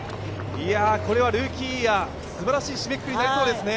これはルーキーイヤーすばらしい締めくくりになりそうですね。